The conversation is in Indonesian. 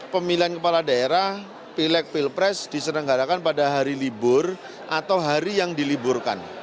pemilihan kepala daerah pilek pilpres diselenggarakan pada hari libur atau hari yang diliburkan